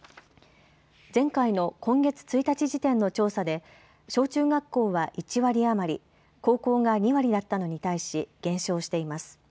前回の今月１日時点の調査で小中学校は１割余り、高校が２割だったのに対し減少しています。